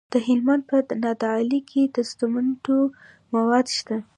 د هلمند په نادعلي کې د سمنټو مواد شته.